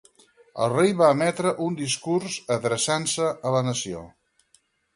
El rei va emetre un discurs adreçant-se a la nació.